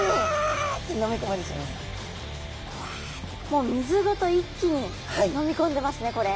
もう水ごと一気に飲みこんでますねこれ。